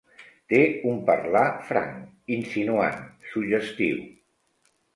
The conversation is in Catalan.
Té un parlar franc, insinuant, suggestiu.